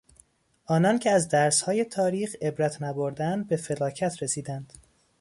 آنان که از درسهای تاریخ عبرت نبردند به فلاکت رسیدند.